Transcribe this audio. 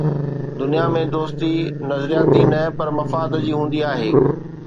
دنيا ۾ دوستي نظرياتي نه پر مفاد جي هوندي آهي.